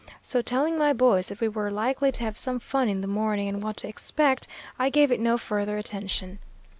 So telling my boys that we were likely to have some fun in the morning, and what to expect, I gave it no further attention.